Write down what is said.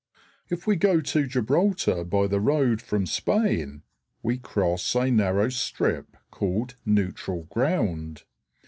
If we go to Gibraltar by the road from Spain, we cross a narrow strip called Neutral Ground.